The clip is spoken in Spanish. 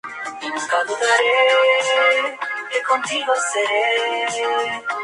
El concurso está Cosmo Girl y muchos otros.